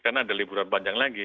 karena ada liburan panjang lagi